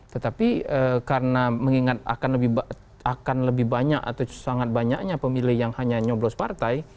tetapi karena mengingat akan lebih banyak atau sangat banyaknya pemilih yang hanya nyoblos partai